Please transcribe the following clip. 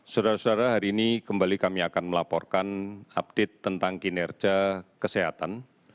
saudara saudara hari ini kembali kami akan melaporkan update tentang kinerja kesehatan